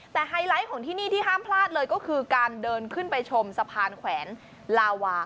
แต่ไฮไลท์ของที่นี่ที่ห้ามพลาดเลยก็คือการเดินขึ้นไปชมสะพานแขวนลาวา